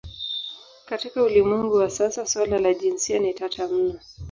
Katika ulimwengu wa sasa suala la jinsia ni tata mno.